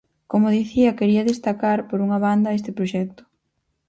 Como dicía, quería destacar, por unha banda, este proxecto.